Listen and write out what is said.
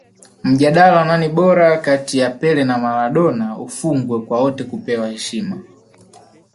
mjadala wa nani bora kati ya pele na maradona ufungwe kwa wote kupewa heshima